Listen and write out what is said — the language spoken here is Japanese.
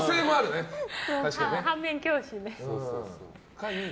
反面教師ね。